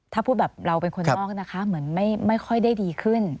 ถ้าพูดแบบเราเป็นคนนอกนะคะเหมือนไม่ค่อยได้ดีขึ้น